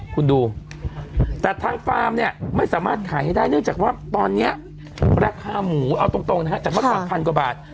คุณดูแต่ทางฟาร์มเนี่ยไม่สามารถขายให้ได้เนื่องจากว่าตอนนี้ราคาหมูเอาตรงนะฮะจากเมื่อก่อนพันกว่าบาท